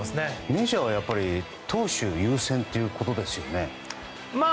メジャーは投手優先ということですよね。